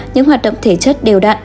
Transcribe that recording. những hoạt động thể chất đều đặn